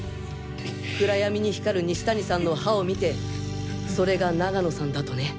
暗闇に光る西谷さんの歯を見てそれが永野さんだとね。